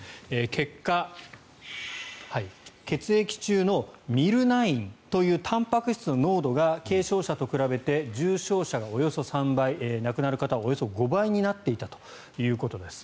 結果、血液中のＭｙｌ９というたんぱく質の濃度が軽症者と比べて重症者がおよそ３倍亡くなる方は、およそ５倍になっていたということです。